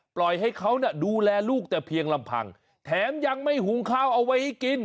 ปล่อยให้เขาดูแลลูกแต่เพียงลำพังแถมยังไม่หุงข้าวเอาไว้กิน